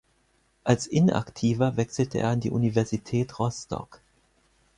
Als Inaktiver wechselte er an die Universität Rostock.